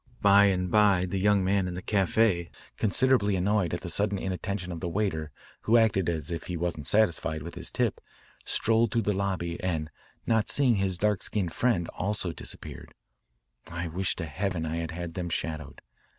By and by the young man in the caf=82, considerably annoyed at the sudden inattention of the waiter who acted as if he wasn't satisfied with his tip, strolled through the lobby and not seeing his dark skinned friend, also disappeared. I wish to heaven I had had them shadowed.